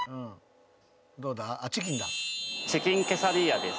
チキンケサディーヤです。